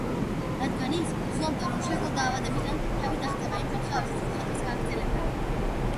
რადგან ის გრძნობდა, რომ შეეძლო დაავადებისგან თავის დაღწევა იმ შემთხვევაში თუ ხატვას გააგრძელებდა.